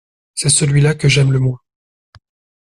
C’est celui-là que j’aime le moins.